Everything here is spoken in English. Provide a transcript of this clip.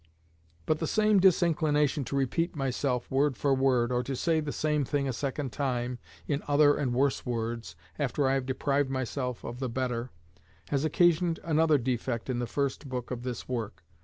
But the same disinclination to repeat myself word for word, or to say the same thing a second time in other and worse words, after I have deprived myself of the better, has occasioned another defect in the first book of this work.